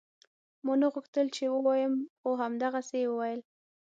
ما نه غوښتل چې ووايم خو همدغسې يې وويل.